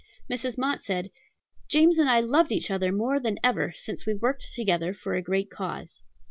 Mrs. Mott said, "James and I loved each other more than ever since we worked together for a great cause."